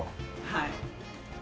はい。